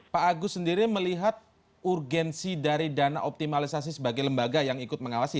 pak agus sendiri melihat urgensi dari dana optimalisasi sebagai lembaga yang ikut mengawasi